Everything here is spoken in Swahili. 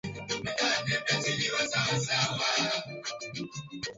viazi lishe wakati mwingine hutengenezwa vinywaji vya aina mbalimbali